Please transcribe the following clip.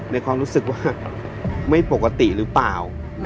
ในความรู้สึกว่าไม่ปกติหรือเปล่า